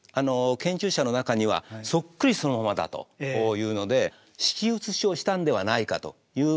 研究者の中にはそっくりそのままだというので敷き写しをしたんではないかという人もいるんですね。